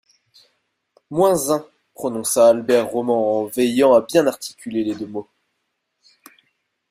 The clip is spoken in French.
Moins un, prononça Albert Roman en veillant à bien articuler les deux mots.